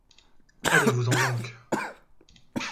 Allez-vous-en donc!